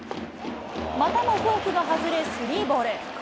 またもフォークが外れスリーボール。